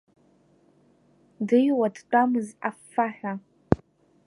Дыҩуа дтәамыз аффаҳәа.